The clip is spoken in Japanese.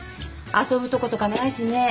遊ぶとことかないしね。